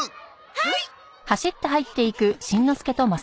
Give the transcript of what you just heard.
はい。